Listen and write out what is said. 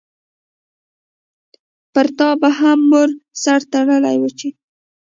پرتا به هم مور سر تړلی وو چی